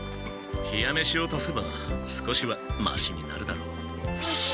冷や飯を足せば少しはマシになるだろう。